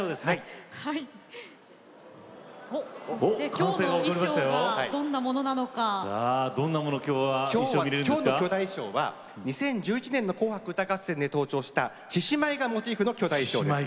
客席から今日の巨大衣装は２０１１年の「紅白歌合戦」で登場した獅子舞がモチーフの巨大衣装です